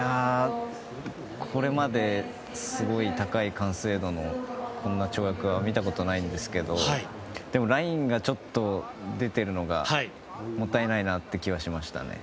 これまですごい高い完成度のこんな跳躍は見たことないんですがでもラインがちょっと出てるのがもったいないなという気はしましたね。